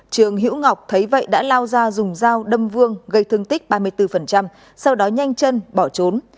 trường hữu ngọc thấy vậy đã lao ra dùng dao đâm vương gây thương tích ba mươi bốn sau đó nhanh chân bỏ trốn